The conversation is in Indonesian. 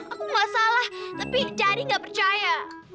aku gak salah tapi cari gak percaya